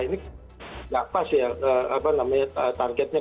ini nggak pas ya targetnya